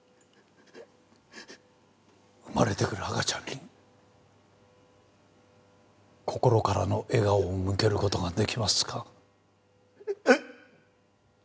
生まれてくる赤ちゃんに心からの笑顔を向ける事が出来ますか？